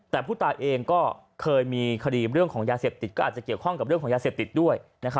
แต่ผู้ตายเองก็เคยมีคดีเรื่องของยาเสพติดก็อาจจะเกี่ยวข้องกับเรื่องของยาเสพติดด้วย